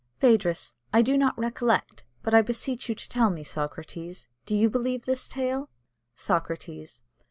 "Phædrus. I do not recollect; but I beseech you to tell me, Socrates, do you believe this tale? "_Socrates.